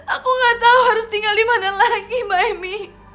aku gak tau harus tinggal dimana lagi mbak emi